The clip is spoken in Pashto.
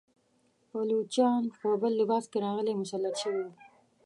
پایلوچان په بل لباس راغلي او مسلط شوي وه.